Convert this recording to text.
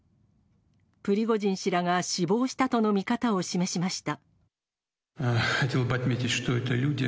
プリゴジン氏らが死亡したとの見方を示しました。